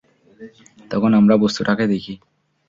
তখন আমরা বস্তুটাকে দেখি।